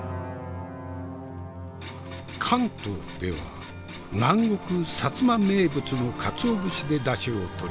関東では南国薩摩名物の鰹節でだしをとり。